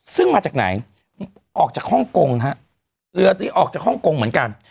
ซึ่งมาจากไหนออกจากฮ่องกงฮะเรือนี้ออกจากฮ่องกงเหมือนกัน